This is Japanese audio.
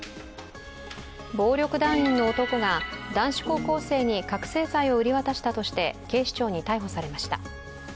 暴力団員の男が男子高校生に覚醒剤を売り渡したとして警視庁に逮捕されました。